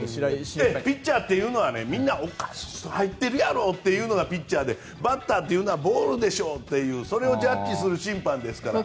ピッチャーというのはあれ入ってるやろって言うのがピッチャーでバッターはボールでしょというそれをジャッジする審判ですから。